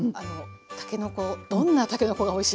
たけのこどんなたけのこがおいしいと。